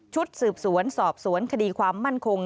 สืบสวนสอบสวนคดีความมั่นคง